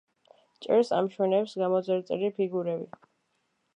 ჭერს ამშვენებს გამოძერწილი ფიგურები.